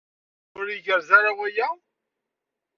Ur igerrez ara waya?